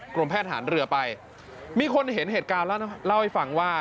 กรมแพทย์ฐานเรือไปมีคนเห็นเหตุการณ์แล้วเล่าให้ฟังว่า